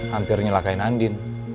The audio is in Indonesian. hampir nyelakai nandin